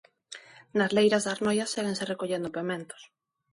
Nas leiras da Arnoia séguense recollendo pementos.